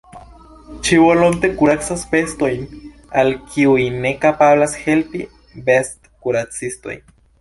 Ŝi volonte kuracas bestojn, al kiuj ne kapablas helpi bestkuracistoj.